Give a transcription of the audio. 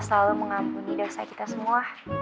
selalu mengampuni dosa kita semua